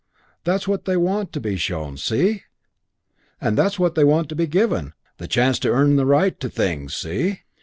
That's what they want to be shown, see? And that's what they want to be given the chance to earn the right to things, see?